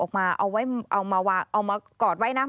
ออกมาเอาไว้มากอดไว้ตรงก่อกลางถนน